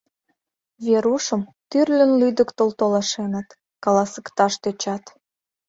Верушым тӱрлын лӱдыктыл толашеныт, каласыкташ тӧчат.